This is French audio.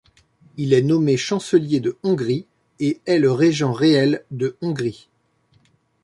Il est nommé chancelier de Hongrie et est le régent réel de Hongrie.